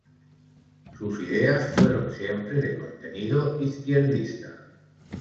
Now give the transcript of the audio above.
Sus ideas fueron siempre de contenido izquierdista.